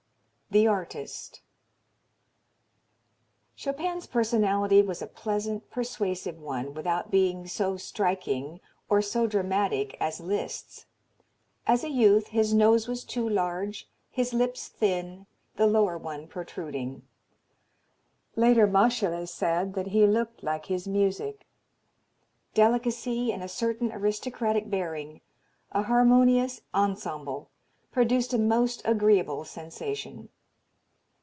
THE ARTIST Chopin's personality was a pleasant, persuasive one without being so striking or so dramatic as Liszt's. As a youth his nose was too large, his lips thin, the lower one protruding. Later, Moscheles said that he looked like his music. Delicacy and a certain aristrocratic bearing, a harmonious ensemble, produced a most agreeable sensation.